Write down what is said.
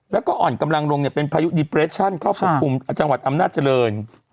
แล้วก็อ่อนกำลังลงเนี่ยเป็นภายุเขาขอบคุมจังหวัดอำนาจเจริญ